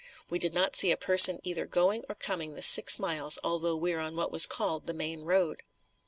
We did not see a person either going or coming the six miles although we were on what was called the Main Road.